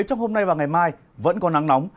trong hôm nay và ngày mai vẫn có nắng nóng